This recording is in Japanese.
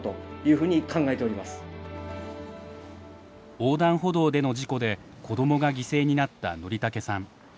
横断歩道での事故で子どもが犠牲になった則竹さん。